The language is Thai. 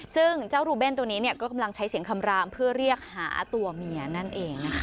ซึ่งเจ้ารูเบนตัวนี้ก็กำลังใช้เสียงคำรามเพื่อเรียกหาตัวเมียนั่นเองนะคะ